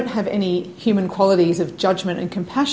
tidak memiliki kualitas manusia yang berpikir dan berkompasisi